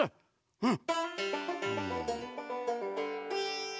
うん。